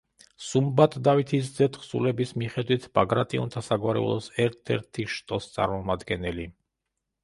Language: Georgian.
სუმბატ დავითის ძის თხზულების მიხედვით, ბაგრატიონთა საგვარეულოს ერთ-ერთი შტოს წარმომადგენელი.